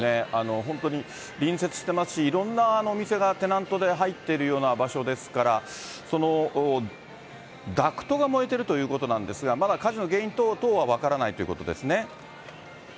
本当に、隣接していますし、いろんなお店がテナントで入っているような場所ですから、ダクトが燃えているということなんですが、まだ火事の原因等々は分からないということですね。